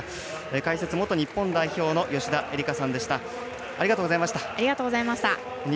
解説、元日本代表の吉田絵里架さんでした。